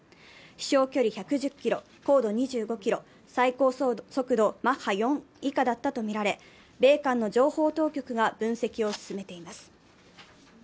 飛翔距離１１０ｋｍ、高度２５ｋｍ、最高速度マッハ４以下だったとみられ米韓の情報当局が分析を進めています。